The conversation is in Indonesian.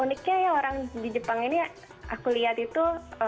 uniknya ya orang di jepang ini aku lihat itu